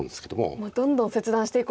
もうどんどん切断していこうと。